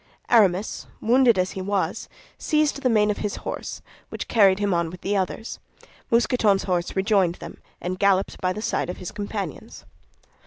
Aramis, wounded as he was, seized the mane of his horse, which carried him on with the others. Mousqueton's horse rejoined them, and galloped by the side of his companions.